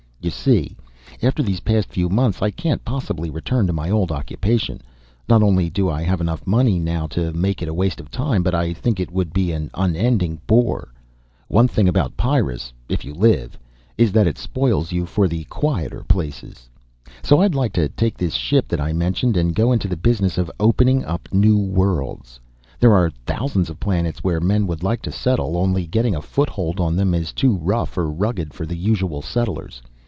You see, after these past few months, I can't possibly return to my old occupation. Not only do I have enough money now to make it a waste of time, but I think it would be an unending bore. One thing about Pyrrus if you live is that it spoils you for the quieter places. So I'd like to take this ship that I mentioned and go into the business of opening up new worlds. There are thousands of planets where men would like to settle, only getting a foothold on them is too rough or rugged for the usual settlers.